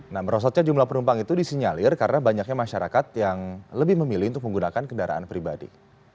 nah merosotnya jumlah penumpang itu disinyalir karena banyaknya masyarakat yang lebih memilih untuk menggunakan kendaraan pribadi